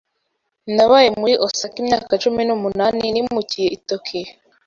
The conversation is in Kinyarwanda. Nabaye muri Osaka imyaka cumi n'umunani nimukiye i Tokiyo.